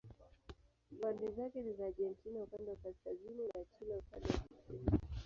Pwani zake ni za Argentina upande wa kaskazini na Chile upande wa kusini.